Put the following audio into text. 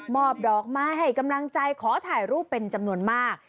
อบดอกไม้ให้กำลังใจขอถ่ายรูปเป็นจำนวนมาก